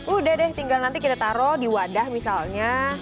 udah deh tinggal nanti kita taruh di wadah misalnya